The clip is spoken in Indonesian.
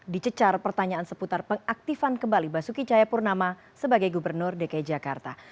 dicecar pertanyaan seputar pengaktifan kembali basuki cahayapurnama sebagai gubernur dki jakarta